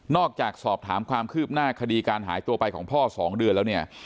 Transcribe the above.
อกจากสอบถามความคืบหน้าคดีการหายตัวไปของพ่อ๒เดือนแล้วเนี่ย